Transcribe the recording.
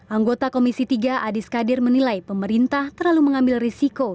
anggota komisi tiga adi skadir menilai pemerintah terlalu mengambil risiko